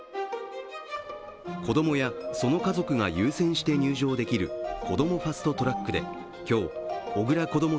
子供や、その家族が優先して入場できるこどもファスト・トラックで、今日、小倉こども